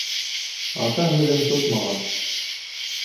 Ата һүҙен тотмаған